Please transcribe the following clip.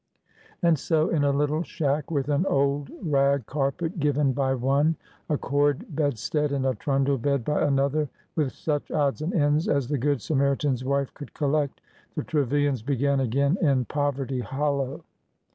And so, in a little shack, with an old rag carpet given by one, a cord bedstead and a trundle bed by another, with such odds and ends as the good Samaritan's wife could collect, the Trevilians began again in Poverty Hollow.